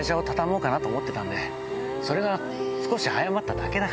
それが少し早まっただけだから。